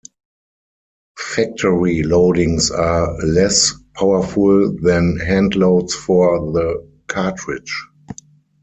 Factory loadings are less powerful than handloads for the cartridge.